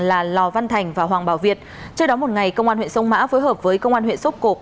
là lò văn thành và hoàng bảo việt trời đóng một ngày công an huyện sông mã phối hợp với công an huyện sốc cột